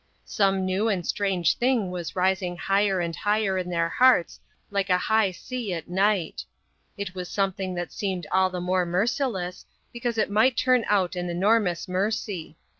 Some new and strange thing was rising higher and higher in their hearts like a high sea at night. It was something that seemed all the more merciless, because it might turn out an enormous mercy.